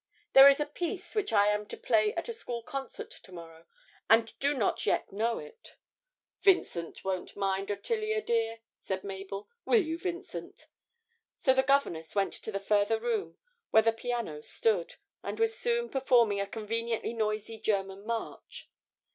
There is a piece which I am to play at a school concert to morrow, and do not yet know it.' 'Vincent won't mind, Ottilia dear,' said Mabel. 'Will you, Vincent?' So the governess went to the further room where the piano stood, and was soon performing a conveniently noisy German march.